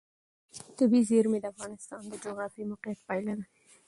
طبیعي زیرمې د افغانستان د جغرافیایي موقیعت پایله ده.